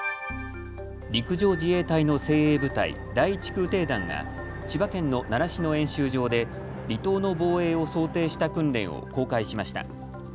陸上自衛隊の精鋭部隊、第１空挺団が千葉県の習志野演習場で離島の防衛を想定した訓練を公開しました。